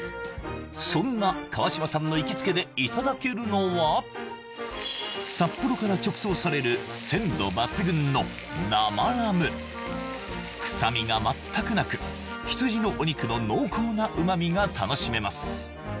そんな川島さんの行きつけでいただけるのは札幌から直送される鮮度抜群の生ラム臭みが全くなく羊のお肉の濃厚な旨味が楽しめます